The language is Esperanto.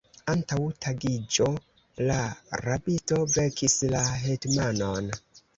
Antaŭ tagiĝo la rabisto vekis la hetmanon.